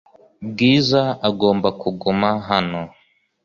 Bwiza agomba kuguma hano .